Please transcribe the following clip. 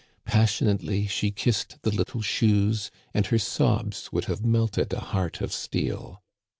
Passionately she kissed the little shoes, and her sobs would have melted a heart of steel.